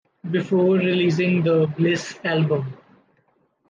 Before releasing The Bliss Album...?